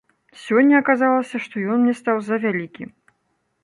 Сёння аказалася, што ён мне стаў завялікі.